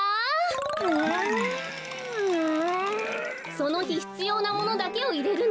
そのひひつようなものだけをいれるの。